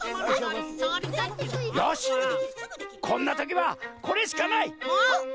よしこんなときはこれしかない！あっ？